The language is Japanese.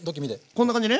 こんな感じね。